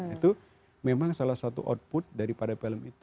itu memang salah satu output daripada film itu